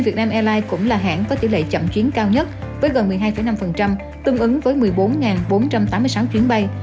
việt nam airlines cũng là hãng có tỷ lệ chậm chuyến cao nhất với gần một mươi hai năm tương ứng với một mươi bốn bốn trăm tám mươi sáu chuyến bay